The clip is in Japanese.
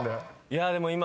いやでも今。